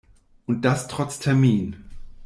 Und das trotz Termin.